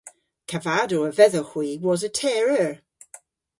Kavadow a vedhowgh hwi wosa teyr eur.